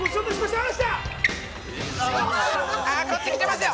こっち来てますよ！